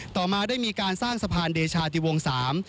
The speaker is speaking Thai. ต่อมาได้มีการสร้างสะพานเดชาติวงสาม